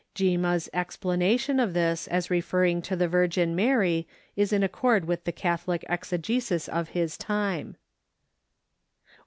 Gimma's explanation of this as referring to the Virgin Mary is in accord with the Catholic exegesis of his time.